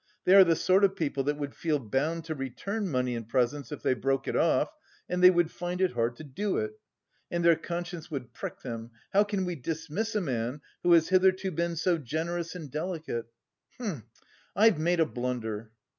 They are the sort of people that would feel bound to return money and presents if they broke it off; and they would find it hard to do it! And their conscience would prick them: how can we dismiss a man who has hitherto been so generous and delicate?.... H'm! I've made a blunder."